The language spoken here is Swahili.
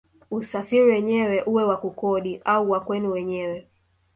Usafiri wenyewe uwe wa kukodi au wa kwenu wenyewe